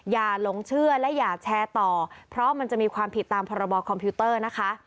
หลงเชื่อและอย่าแชร์ต่อเพราะมันจะมีความผิดตามพรบคอมพิวเตอร์นะคะ